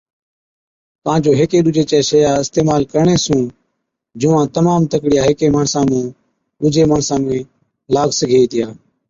ڪان جو هيڪي ڏُوجي چِيا شئِيا اِستعمال ڪرڻي سُون جُوئان تمام تڪڙِيان هيڪي ماڻسا مُون ڏُوجي ماڻسا ۾ سِگھي هِتِيا